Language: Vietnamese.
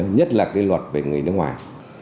nhất là luật về người nước ngoài